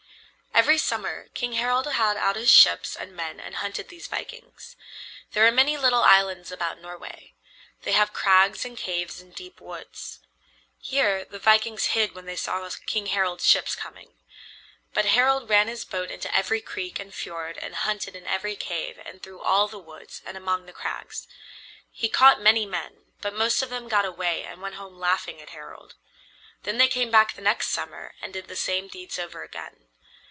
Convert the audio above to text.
Every summer King Harald had out his ships and men and hunted these vikings. There are many little islands about Norway. They have crags and caves and deep woods. Here the vikings hid when they saw King Harald's ships coming. But Harald ran his boat into every creek and fiord and hunted in every cave and through all the woods and among the crags. He caught many men, but most of them got away and went home laughing at Harald. Then they came back the next summer and did the same deeds over again.